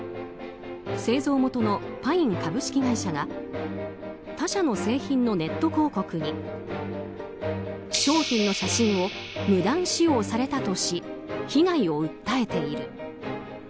製造元のパイン株式会社が他社の製品のネット広告に商品の写真を無断使用されたとし被害を訴えている。